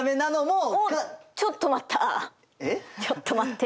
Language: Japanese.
ちょっと待って。